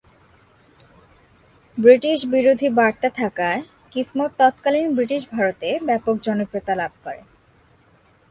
British বিরোধী বার্তা থাকায় কিসমত তৎকালীন ব্রিটিশ ভারতে ব্যাপক জনপ্রিয়তা লাভ করে।